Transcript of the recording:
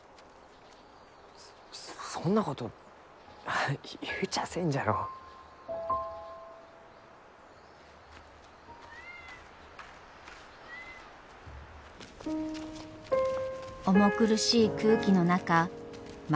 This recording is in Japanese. そそんなこと言うちゃあせんじゃろ。重苦しい空気の中万